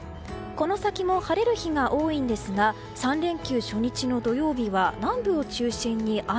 この先も晴れる日が多いんですが３連休初日の土曜日は南部を中心に雨。